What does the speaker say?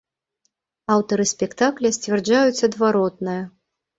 Аўтары спектакля сцвярджаюць адваротнае.